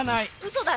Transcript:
嘘だ！